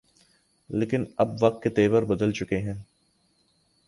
لیکن اب وقت کے تیور بدل چکے ہیں۔